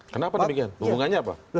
kenapa demikian hubungannya apa